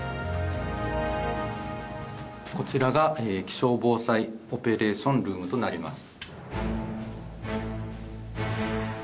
こちらが気象防災オペレーションルームとなります。